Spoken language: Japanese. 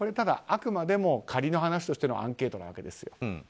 あくまでも仮の話としてのアンケートなわけです。